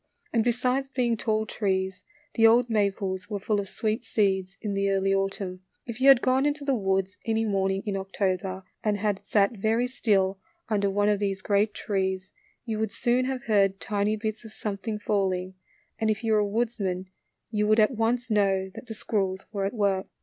And besides being tall trees, the old maples were full of sweet seeds in the early autumn. If you had gone into the woods any morning in October, and had sat very still under one of these great trees, you would soon have heard tiny bits of some thing falling, and if you were a woodsman you 53 54 THE LITTLE FORESTERS. would at once know that the squirrels were at work.